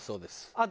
あと。